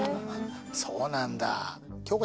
そうなんだ。